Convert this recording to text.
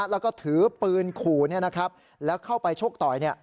แล้วก็ถือปืนขู่นะครับแล้วเข้าไปโชคต่อย